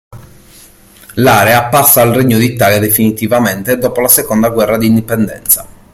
L'area passa al regno d'Italia definitivamente dopo la seconda guerra d'indipendenza.